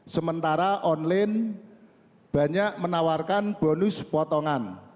sementara online banyak menawarkan bonus potongan